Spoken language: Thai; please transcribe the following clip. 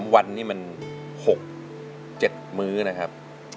๓วันนี้มัน๖๗มื้อนะครับ